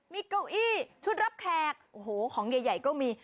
มีเก้าอี้ชุดรับแขกโอ้โหของใหญ่ก็มี